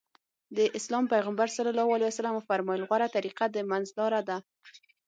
د اسلام پيغمبر ص وفرمايل غوره طريقه د منځ لاره ده.